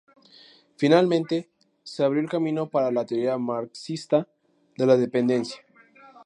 Finalmente, se abrió el camino para la teoría marxista de la dependencia.